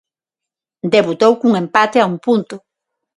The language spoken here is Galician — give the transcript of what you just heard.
Debutou cun empate a un punto.